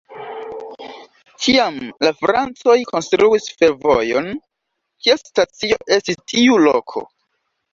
Tiam la francoj konstruis fervojon, kies stacio estis tiu loko.